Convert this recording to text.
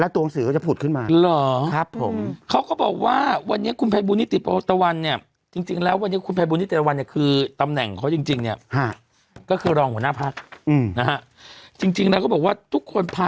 ถ่าเอาแล้วตัวหนังสือก็จะผลุดขึ้นมา